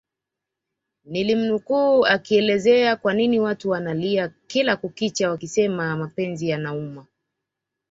nilimnukuu akielezea kwanini watu wanalia kila kukicha wakisema mapenzi yanauma